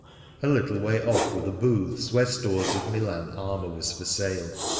A little way off were the booths where stores of Milar armour was for sale.